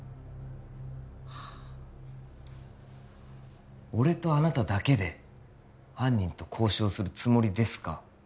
はあ俺とあなただけで犯人と交渉するつもりですか？